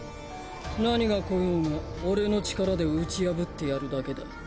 何が来ようが俺の力で打ち破ってやるだけだ。